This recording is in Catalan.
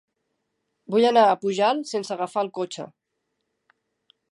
Vull anar a Pujalt sense agafar el cotxe.